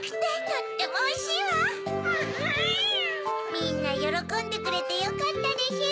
みんなよろこんでくれてよかったでしゅ。